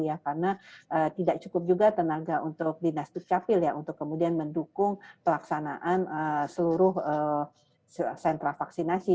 karena tidak cukup juga tenaga untuk dinas duk capil untuk kemudian mendukung pelaksanaan seluruh sentral vaksinasi